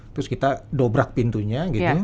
terus kita dobrak pintunya gitu